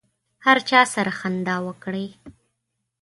هر چا سره خندا وکړئ.